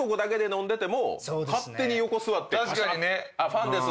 「ファンです」